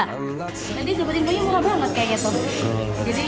jadi sebuah minuman yang murah banget kayaknya tuh